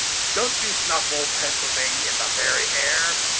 Don't you snuff old Pennsylvania in the very air?